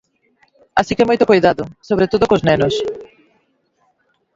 Así que moito coidado, sobre todo cos nenos.